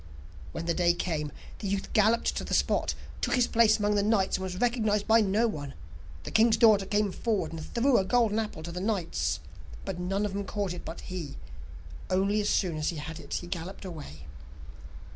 When the day came, the youth galloped to the spot, took his place amongst the knights, and was recognized by no one. The king's daughter came forward, and threw a golden apple to the knights, but none of them caught it but he, only as soon as he had it he galloped away.